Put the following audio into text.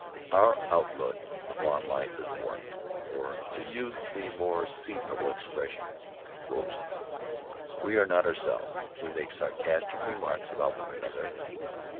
Our outlook upon life is warped, or, to use a more seasonable expression, frozen. We are not ourselves. We make sarcastic remarks about one another.